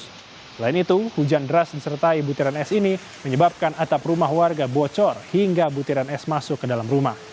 selain itu hujan deras disertai butiran es ini menyebabkan atap rumah warga bocor hingga butiran es masuk ke dalam rumah